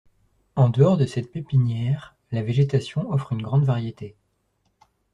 En dehors de cette pépinière, la végétation offre une grande variété.